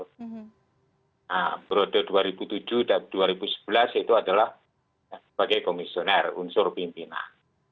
nah periode dua ribu tujuh dan dua ribu sebelas itu adalah sebagai komisioner unsur pimpinan